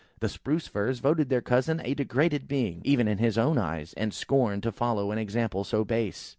the Spruce firs voted their cousin a degraded being even in his own eyes, and scorned to follow an example so base.